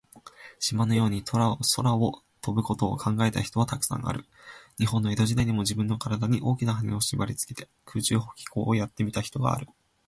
鳥のように空を飛ぶことを考えた人は、たくさんある。日本の江戸時代にも、じぶんのからだに、大きなはねをしばりつけて、空中飛行をやってみた人がある。